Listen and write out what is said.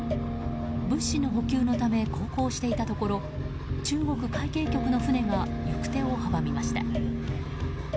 物資の補給のため航行していたところ中国海警局の船が行く手を阻みました。